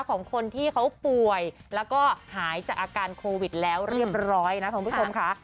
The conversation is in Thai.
ของคนที่เขาป่วยแล้วก็หายจากอาการโควิดแล้วเรียบร้อยนะคุณผู้ชมค่ะ